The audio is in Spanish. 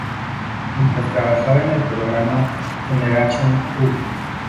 Mientras trabajaba en el programa "Generation u!